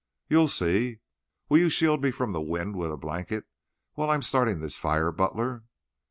"You'll see. Will you shield me from the wind with a blanket while I am starting this fire, Butler?"